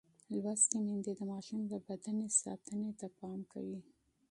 لوستې میندې د ماشوم د بدن ساتنې ته پام کوي.